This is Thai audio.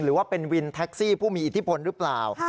หรือว่าเป็นวินแท็กซี่ผู้มีอิทธิพลหรือเปล่า